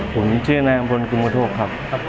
ผมชื่อนายอัมพลคุณบทศพครับ